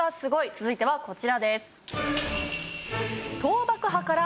続いてはこちらです。